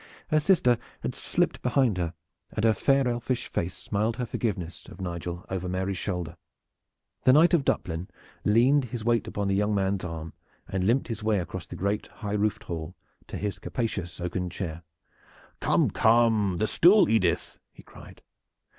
Her sister had slipped behind her and her fair elfish face smiled her forgiveness of Nigel over Mary's shoulder. The Knight of Duplin leaned his weight upon the young man's arm and limped his way across the great high roofed hall to his capacious oaken chair. "Come, come, the stool, Edith!" he cried.